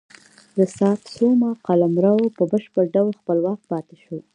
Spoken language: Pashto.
د ساتسوما قلمرو په بشپړ ډول خپلواک پاتې شو.